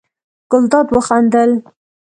ګلداد وخندل.